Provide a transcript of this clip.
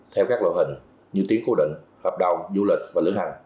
theo các lộ hình như tiếng cố định hợp đồng du lịch và lưu hành